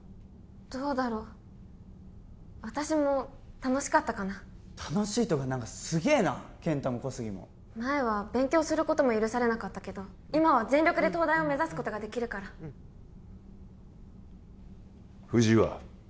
どうだろう私も楽しかったかな楽しいとかなんかすげえな健太も小杉も前は勉強することも許されなかったけど今は全力で東大を目指すことができるから藤井は？